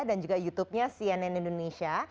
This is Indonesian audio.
dan juga youtubenya cnn indonesia